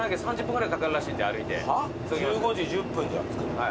１５時１０分じゃん着くの。